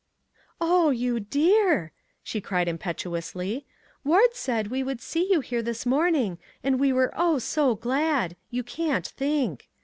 " Oh, you dear! " she cried impetuously, " Ward said we would see you here this morn ing, and we were oh, so glad ! you can't think.